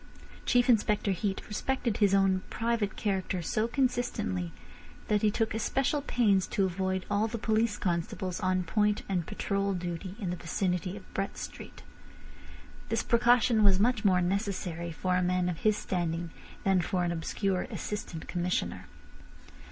Chief Inspector Heat respected his own private character so consistently that he took especial pains to avoid all the police constables on point and patrol duty in the vicinity of Brett Street. This precaution was much more necessary for a man of his standing than for an obscure Assistant Commissioner.